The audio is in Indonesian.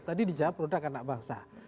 tadi dijawab produk anak bangsa